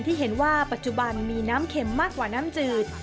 ที่เห็นว่าปัจจุบันมีน้ำเข็มมากกว่าน้ำจืด